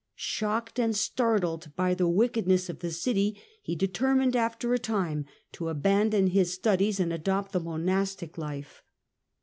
Shocked and startled by the wickedness of the city, he determined after a time to abandon his studies and adopt the monastic life.